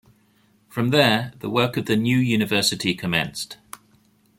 From there, the work of the new university commenced.